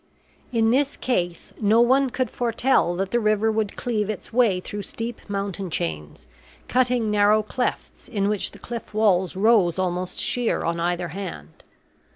In this case no one could foretell that the river would cleave its way through steep mountain chains, cutting narrow clefts in which the cliff walls rose almost sheer on either hand.